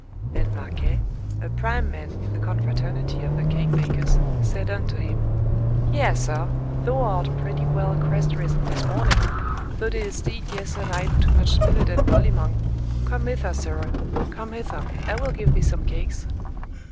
Then Marquet, a prime man in the confraternity of the cake bakers, said unto him, Yea, sir, thou art pretty well crest risen this morning, thou didst eat yesternight too much millet and bolymong. Come hither, sirrah, come hither, I will give thee some cakes.